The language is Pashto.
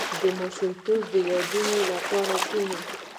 • د ماشومتوب د یادونو لپاره کښېنه.